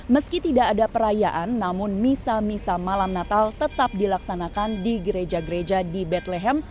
meski tidak ada perayaan namun misa misa malam natal tetap dilaksanakan di gereja gereja di betlehem